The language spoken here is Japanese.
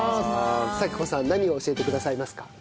佐木子さん何を教えてくださいますか？